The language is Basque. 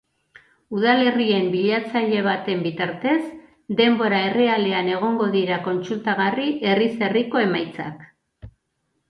Udalerrien bilatzaile baten bitartez, denbora errealean egongo dira kontsultagarri herriz herriko emaitzak.